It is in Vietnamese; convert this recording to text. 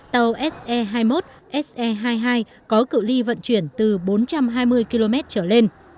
tàu se hai mươi một se hai mươi hai có cự li vận chuyển từ bốn trăm hai mươi km trở lên